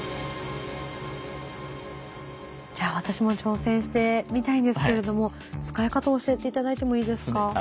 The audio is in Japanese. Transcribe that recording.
じゃあ私も挑戦してみたいんですけれども使い方教えて頂いてもいいですか？